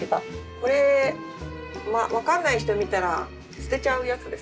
これ分かんない人見たら捨てちゃうやつですね。